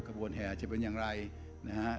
ขบวนแห่จะเป็นอย่างไรนะฮะ